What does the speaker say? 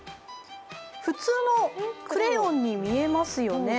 普通のクレヨンに見えますよね。